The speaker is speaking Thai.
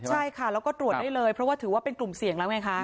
ใช่ค่ะแล้วก็ตรวจได้เลยเพราะว่าถือว่าเป็นกลุ่มเสี่ยงแล้วไงคะ